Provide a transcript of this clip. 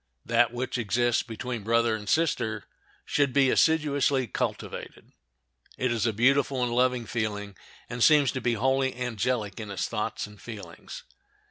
That which exists between brother and sister should be assiduously cultivated. It is a beautiful and lovely feeling, and seems to be wholly angelic in its thoughts and feelings.